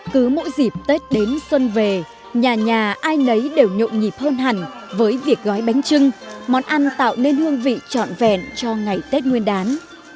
cứ mỗi dịp tết đến xuân về nhà nhà ai nấy đều nhộn nhịp hơn hẳn với việc gói bánh trưng món ăn tạo nên hương vị trọn vẹn cho ngày tết nguyên đán